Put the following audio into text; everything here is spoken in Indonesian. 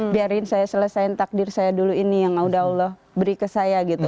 biarin saya selesaikan takdir saya dulu ini yang udah allah beri ke saya gitu